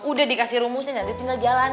udah dikasih rumusnya nanti tinggal jalan